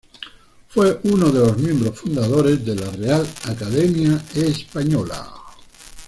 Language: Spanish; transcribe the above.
Fue uno de los miembros fundadores de la Real Academia Española.